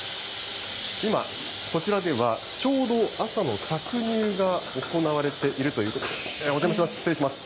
今、こちらでは、ちょうど朝の搾乳が行われているということで、お邪魔します。